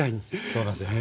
そうなんすよ。